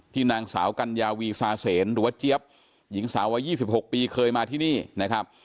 นางสาวกัญญาวีซาเสนหรือว่าเจี๊ยบหญิงสาววัย๒๖ปีเคยมาที่นี่นะครับ